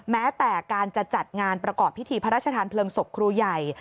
แม้แต่การจะจัดงานประกอบพิธีพระราชทานเพลิงศพครูใหญ่